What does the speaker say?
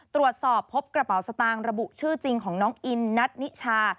ตรวจสอบพบกระเป๋าสตางค์ระบุชื่อจริงของน้องอินนัทนิชา